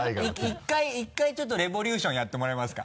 １回ちょっと「レボ☆リューション」やってもらえますか？